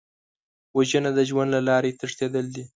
وژنه د ژوند له لارې تښتېدل دي